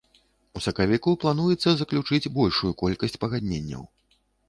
У сакавіку плануецца заключыць большую колькасць пагадненняў.